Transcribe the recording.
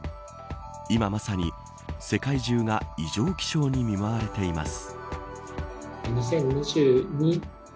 今まさに世界中が異常気象に見舞われています。